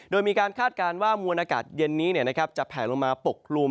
โดยมีการคาดการณ์ว่ามวลอากาศเย็นนี้จะแผลลงมาปกคลุม